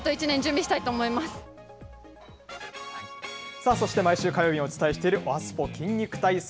さあ、そして毎週火曜日にお伝えしているおはＳＰＯ筋肉体操。